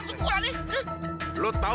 teguh langsung pukulannya hah